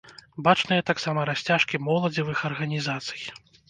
Бачныя таксама расцяжкі моладзевых арганізацый.